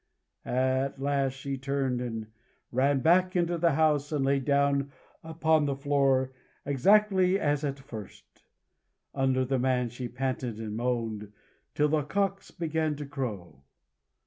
At last she turned, and ran back into the house, and lay down upon the floor exactly as at first. Under the man she panted and moaned till the cocks began to crow.